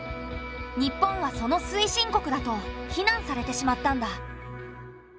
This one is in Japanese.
日本はその推進国だと非難されてしまったんだ。